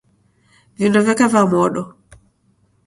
Vindo veka va modo.